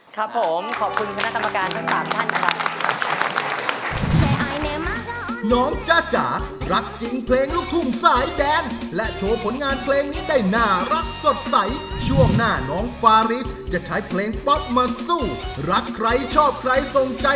ครับผมขอบคุณคณะตำรวจการทั้ง๓ท่านค่ะ